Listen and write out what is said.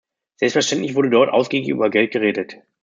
Selbstverständlich wurde dort ausgiebig über Geld geredet.